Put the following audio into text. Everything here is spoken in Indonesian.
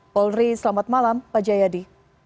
paul ri selamat malam pak jayadi